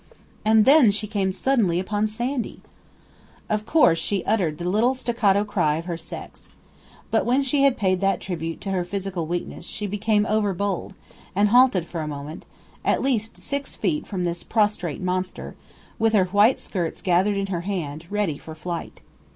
And then she came suddenly upon Sandy! Of course she uttered the little staccato cry of her sex. But when she had paid that tribute to her physical weakness she became overbold, and halted for a moment at least six feet from this prostrate monster with her white skirts gathered in her hand, ready for flight.